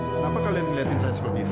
kenapa kalian ngeliatin saya seperti itu